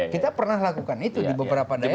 kita pernah lakukan itu di beberapa negara